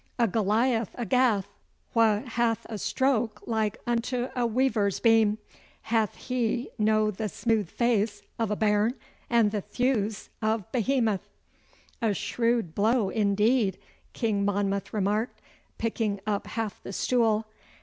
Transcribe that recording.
'A Goliath o' Gath, wha hath a stroke like untae a weaver's beam. Hath he no the smooth face o' a bairn and the thews' o' Behemoth?' 'A shrewd blow indeed,' King Monmouth remarked, picking up half the stool.